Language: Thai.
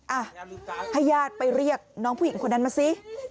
อ่ะให้ญาติไปเรียกน้องผู้หญิงคนนั้นมาสิ